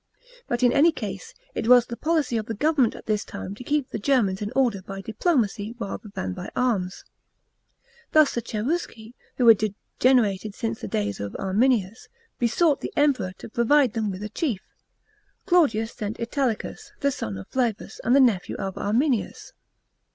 But in any case it was the policy of the government at this time to keep the Germans in order by diplomacy rather than by arms. Thus the Cherusci, who had degenerated since the days of Arminius, besought the Emperor to provide them with a chief. Claudius sent Italicus, the son of Flavus and nephew of Arminius.